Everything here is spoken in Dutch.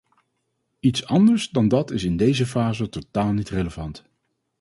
Iets anders dan dat is in deze fase totaal niet relevant.